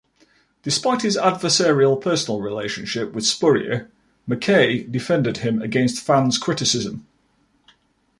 Despite his adversarial personal relationship with Spurrier, McKay defended him against fans' criticism.